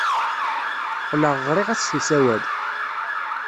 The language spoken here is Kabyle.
Qqleɣ ɣriɣ-as s usawal.